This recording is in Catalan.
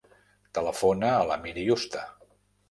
Telefona a l'Amir Yusta.